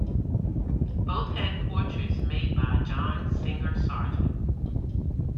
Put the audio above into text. Both had portraits made by John Singer Sargent.